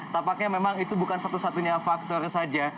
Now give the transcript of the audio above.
tampaknya memang itu bukan satu satunya faktor saja